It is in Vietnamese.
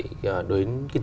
đối với kinh tế của chúng ta